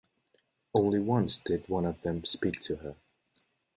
Only once did one of them speak to her.